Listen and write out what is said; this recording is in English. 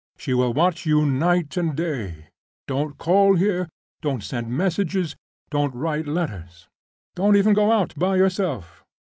She will watch you night and day! Don't call here, don't send messages, don't write letters; don't even go out by yourself.